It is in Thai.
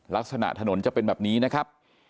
ลักษณะถนนจะเป็นแบบนี้นะครับ